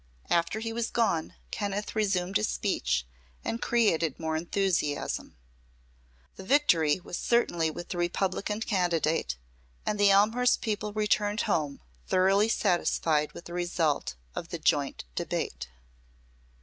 After he was gone Kenneth resumed his speech and created more enthusiasm. The victory was certainly with the Republican candidate, and the Elmhurst people returned home thoroughly satisfied with the result of the "joint debate."